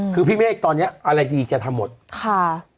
คือพี่เมฆตอนเนี้ยอะไรดีแกทำหมดค่ะ